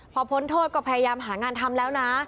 พอพ้นโทษก็พยายามหางานทำแล้วนะ